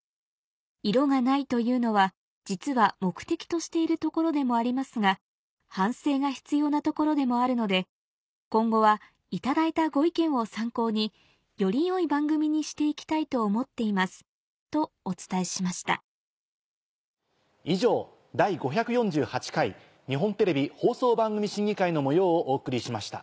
色がないというのは実は目的としているところでもありますが反省が必要なところでもあるので今後は頂いたご意見を参考により良い番組にして行きたいと思っています」とお伝えしました以上「第５４８回日本テレビ放送番組審議会」の模様をお送りしました。